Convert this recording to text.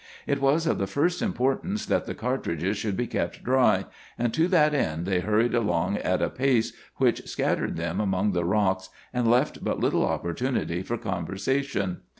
It was of the first importance that the cartridges should be kept dry, and to that end they hurried along at a pace which scattered them among the rocks and left but little opportunity for conversation.